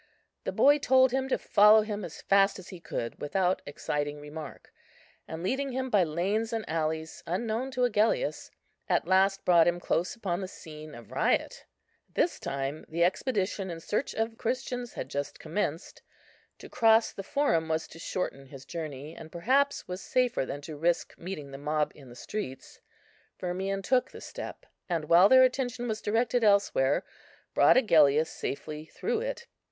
The boy told him to follow him as fast as he could without exciting remark; and, leading him by lanes and alleys unknown to Agellius, at last brought him close upon the scene of riot. At this time the expedition in search of Christians had just commenced; to cross the Forum was to shorten his journey, and perhaps was safer than to risk meeting the mob in the streets. Firmian took the step; and while their attention was directed elsewhere, brought Agellius safely through it.